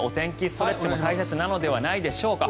ストレッチも大切なのではないでしょうか。